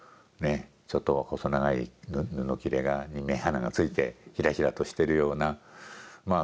ちょっと細長い布切れに目鼻が付いてひらひらとしてるようなまあ